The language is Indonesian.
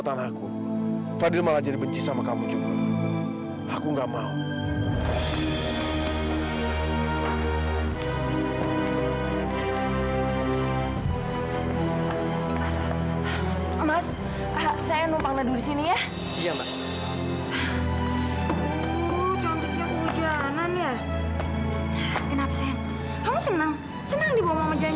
tadi katanya taufan udah sadar